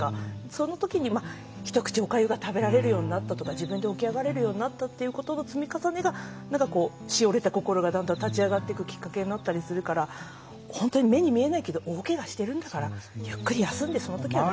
そのときに一口、おかゆが食べられるようになったとか自分で起き上がれるようになったってことの積み重ねがしおれた心がだんだん立ち上がっていくきっかけになっていくから本当に目に見えないけど大怪我してるんだからゆっくり休んで。